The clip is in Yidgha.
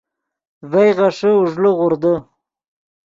ڤئے غیݰے اوݱڑے غوردے